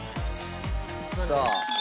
さあ。